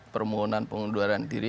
permohonan pengunduran diri